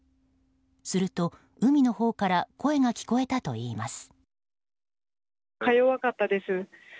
すると海のほうから声が聞こえたといいます。